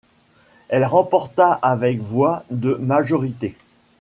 Elle remporta avec voix de majorité.